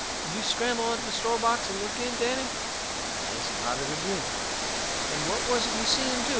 Did you scramble onto the store box and look in, Danny?" I jest nodded agin. "And what was it you seen him do?